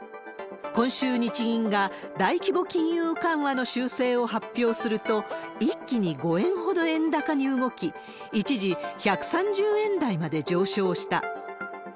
今週、日銀が大規模金融緩和の修正を発表すると、一気に５円ほど円高に動き、一時１３０円台まで上昇した。